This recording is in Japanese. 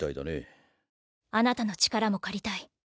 あなたの力も借りたい。